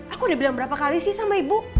aku udah bilang berapa kali sih sama ibu